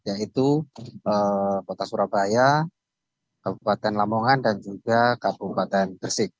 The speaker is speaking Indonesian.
yaitu kota surabaya kabupaten lamongan dan juga kabupaten gresik